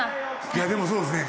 いやでもそうですね。